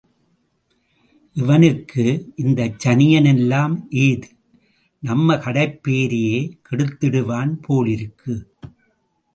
இவனுக்கு இந்தச் சனியன் எல்லாம் ஏது?... நம்ம கடைப் பேரையே கெடுத்துடுவான் போலிருக்கே!